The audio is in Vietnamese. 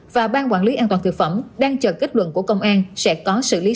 và ban quản lý an toàn thực phẩm đang chờ kết luận của công an sẽ có xử lý